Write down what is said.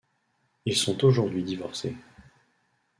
Ils sont aujourd'hui divorcés.